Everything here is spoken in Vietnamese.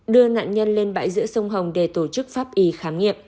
đưa nạn nhân lên bãi giữa sông hồng để tổ chức pháp y khám nghiệp